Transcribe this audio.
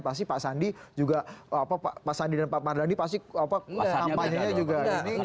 pasti pak sandi dan pak mardhani pasti tampakannya juga